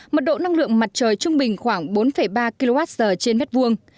mật độ năng lượng mặt trời trung bình khoảng bốn ba kwh trên mét vuông